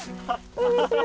こんにちは。